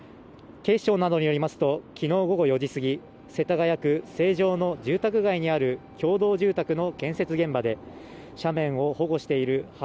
警視庁などによりますときのう午後４時過ぎ世田谷区成城の住宅街にある共同住宅の建設現場で斜面を保護している幅